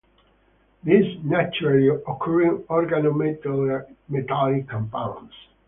These naturally occurring organometallic compounds.